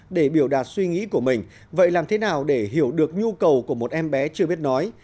để biểu đạt suy nghĩ của mình vậy làm thế nào để hiểu được nhu cầu của một em bé chưa biết nói